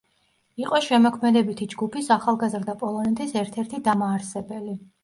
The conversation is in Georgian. იყო შემოქმედებითი ჯგუფის „ახალგაზრდა პოლონეთის“ ერთ–ერთი დამაარსებელი.